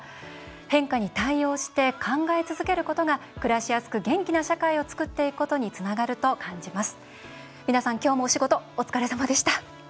変化に対応して考え続けることが暮らしやすく元気な社会を作っていくことにつながると感じます。